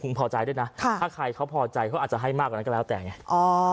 พอใจด้วยนะถ้าใครเขาพอใจเขาอาจจะให้มากกว่านั้นก็แล้วแต่ไงอ๋อ